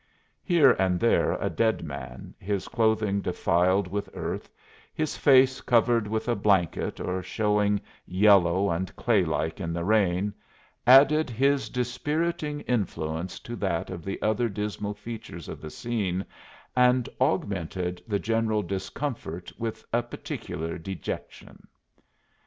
Here and there a dead man, his clothing defiled with earth, his face covered with a blanket or showing yellow and claylike in the rain, added his dispiriting influence to that of the other dismal features of the scene and augmented the general discomfort with a particular dejection.